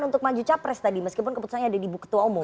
untuk maju capres tadi meskipun keputusannya ada di ketua umum